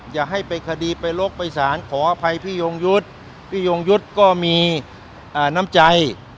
อย่าให้ไปคดีไปลกไปสารขออภัยพี่ยงยุทธ์พี่ยงยุทธ์ก็มีน้ำใจ